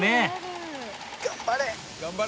頑張れ！